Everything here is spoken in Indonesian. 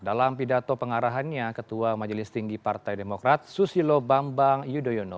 dalam pidato pengarahannya ketua majelis tinggi partai demokrat susilo bambang yudhoyono